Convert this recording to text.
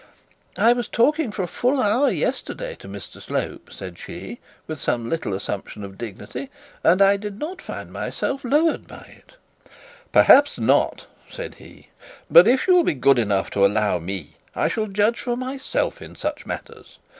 'I was talking for a full hour yesterday with Mr Slope,' said she, with some little assumption of dignity, 'and I did not find myself to be lowered by it.' 'Perhaps not,' said he. 'But if you'll be good enough to allow me, I shall judge for myself in such matters.